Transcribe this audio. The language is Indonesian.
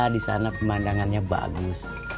di sana pemandangannya bagus